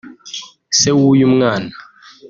se w'uyu mwana